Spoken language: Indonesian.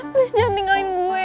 please jangan tinggalin gue